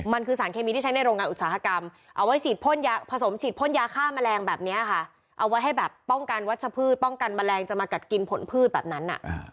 มันคือสารเคมีที่ใช้ในโรงงานอุตสาหกรรมเอาไว้ฉีดพ่นยาผสมฉีดพ่นยาฆ่าแมลงแบบนี้ค่ะเอาไว้ให้แบบป้องกันวัชพืชป้องกันแมลงจะมากัดกินผลพืชแบบนั้น